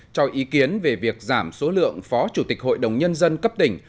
cho ý kiến về việc giảm số lượng phó chủ tịch hội đồng nhân dân cấp tỉnh